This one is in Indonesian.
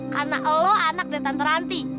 karena lo anak datang terhenti